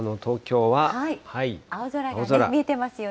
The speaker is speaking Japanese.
青空見えてますよね。